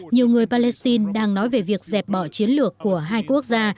nhiều người palestine đang nói về việc dẹp bỏ chiến lược của hai quốc gia